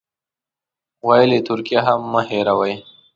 ویل یې ترکیه هم مه هېروئ.